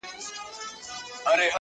لا هم ژوندی پاته کيږي